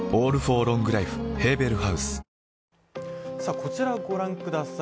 こちらご覧ください